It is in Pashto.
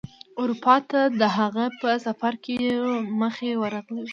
اروپا ته د هغه په سفر کې مخې ورغلی و.